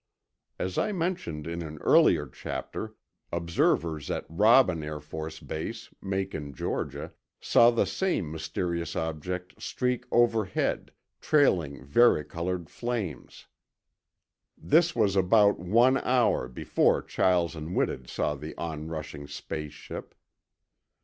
As I mentioned in an earlier chapter, observers at Robbins Air Force Base, Macon, Georgia, saw the same mysterious object streak overhead, trailing varicolored flames. This was about one hour before Chiles and Whitted saw the onrushing space ship.